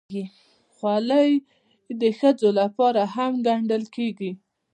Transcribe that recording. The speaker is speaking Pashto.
خولۍ د ښځو لخوا هم ګنډل کېږي.